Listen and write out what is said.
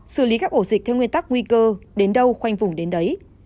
xử lý các ổ dịch theo nguyên tắc nguy cơ đến đâu khoanh vùng đến đấy